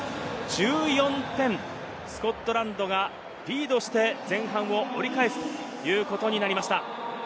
１４点、スコットランドがリードして前半を折り返すということになりました。